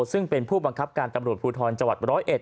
ซึ่งเป็นผู้บังคับการตำรวจภูทรจังหวัด๑๐๑